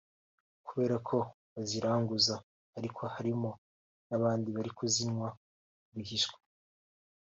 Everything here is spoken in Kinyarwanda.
kubera ko baziranguza arko harimo n’abandi bari kuzinywa rwihishwa”